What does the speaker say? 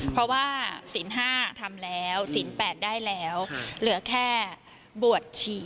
เพราะว่าศีล๕ทำแล้วศีล๘ได้แล้วเหลือแค่บวชฉี่